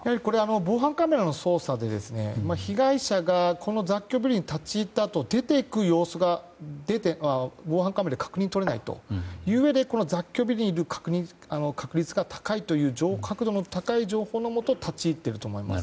防犯カメラの捜査で被害者がこの雑居ビルに立ち入ったあと出ていく様子が防犯カメラで確認が取れないといううえでは雑居ビルにいる確率が高いという確度の高い情報のもと立ち入っていると思います。